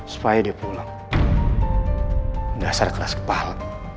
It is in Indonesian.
supaya dia pulang dasar kepala